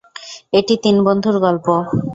এটি তিন বন্ধুর গল্প।